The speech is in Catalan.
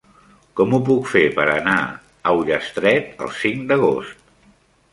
Com ho puc fer per anar a Ullastret el cinc d'agost?